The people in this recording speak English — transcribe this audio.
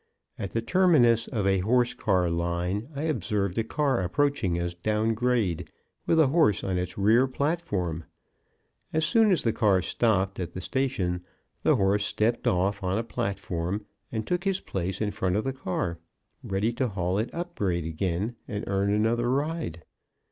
At the terminus of a horse car line I observed a car approaching us down grade, with a horse on its rear platform. As soon as the car stopped at the station the horse stepped off on a platform and took his place in front of the car, ready to haul it up grade again and earn another ride.